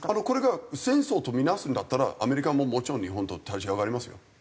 これが戦争とみなすんだったらアメリカももちろん日本と立ち上がりますよ。